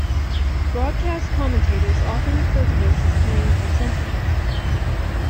Broadcast commentators often refer to this as "playing the percentages".